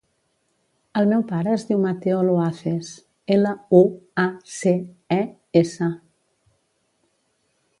El meu pare es diu Mateo Luaces: ela, u, a, ce, e, essa.